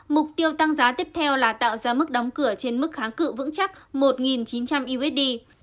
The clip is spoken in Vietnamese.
mục tiêu tăng giá tiếp theo là tạo ra mức đóng cửa trên mức kháng cự vững chắc một chín trăm linh usd